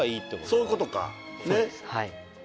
そういうことかそうですはい